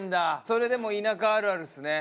それでも田舎あるあるですね。